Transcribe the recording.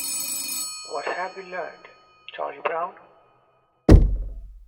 What Have We Learned, Charlie Brown?